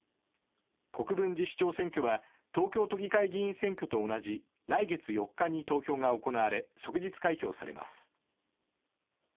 国分寺市長選挙は東京都議会議員選挙と同じ来月４日に投票が行われ、即日開票されます。